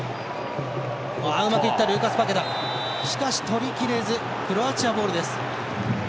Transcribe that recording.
しかし、とりきれずクロアチアボールです。